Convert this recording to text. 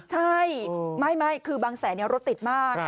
ใช่ไม่คือบางแสนรถติดมาก